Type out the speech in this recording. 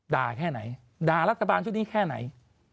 แค่ไหนด่ารัฐบาลชุดนี้แค่ไหน